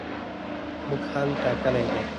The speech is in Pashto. موږ حل ټاکلی دی.